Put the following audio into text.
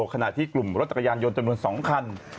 ขณะที่กลุ่มรถจักรยานยนต์จำนวน๒คัน